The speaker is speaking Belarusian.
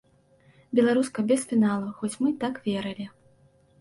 Беларуска без фіналу, хоць мы так верылі.